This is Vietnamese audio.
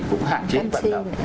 cũng hạn chế vận động